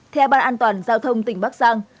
theo ban an toàn giao thông tỉnh bắc giang